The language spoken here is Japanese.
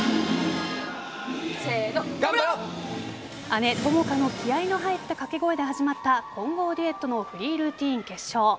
姉・友花の気合いの入った掛け声で始まった混合デュエットのフリールーティン決勝。